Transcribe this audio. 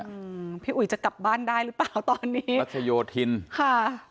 อืมพี่อุ๋ยจะกลับบ้านได้หรือเปล่าตอนนี้รัชโยธินค่ะ